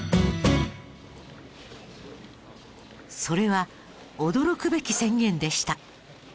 それは驚くべき宣言でした。